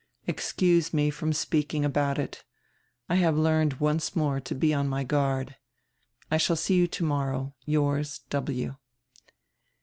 Lxcuse me from speaking about it. I have learned once more to be on my guard. I shall see you tomorrow. Yours, W."